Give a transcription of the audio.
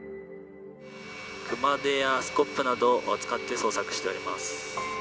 熊手やスコップなどを使って捜索しております。